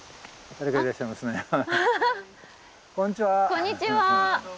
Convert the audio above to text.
こんにちは。